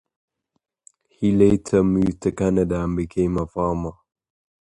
He later moved to Canada, and became a farmer.